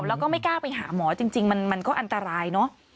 แล้วก็ไม่กล้าไปหาหมอจริงมันก็อันตรายเนอะ